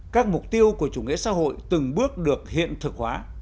các mục tiêu của chủ nghĩa xã hội từng bước được hiện thực hóa